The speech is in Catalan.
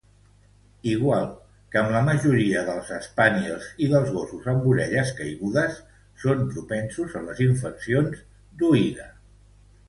Igual que amb la majoria dels spaniels i dels gossos amb orelles caigudes, són propensos a les infeccions d'oïda.